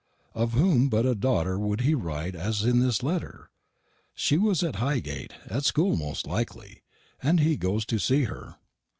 Of whom but of a daughter would he write as in this letter? She was at Highgate, at school most likely, and he goes to see her.